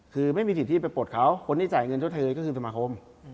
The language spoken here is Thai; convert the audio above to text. คือไม่มีสิทธิไปปลดเขาคนที่จ่ายเงินชดเชยก็คือสมาคม